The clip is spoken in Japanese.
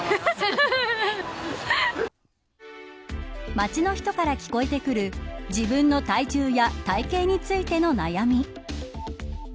街の人から聞こえてくる自分の体重や体型についての悩み。